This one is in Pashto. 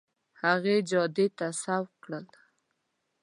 هغې جادې ته سوق کړل.